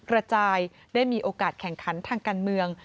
กระจายได้มีโอกาสแข่งขันทางการเมือง